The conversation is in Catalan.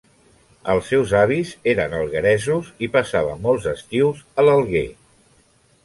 Els seus avis eren algueresos i passava molts estius a l'Alguer.